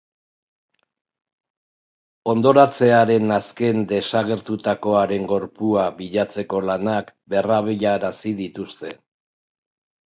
Hondoratzearen azken desagertutakoaren gorpua bilatzeko lanak berrabiarazi dituzte.